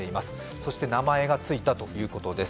そして名前がついたということです。